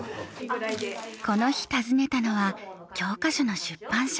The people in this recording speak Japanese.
この日訪ねたのは教科書の出版社。